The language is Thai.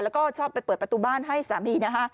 แล้วก็ชอบไปเปิดประตูบ้านให้สามีนะคะ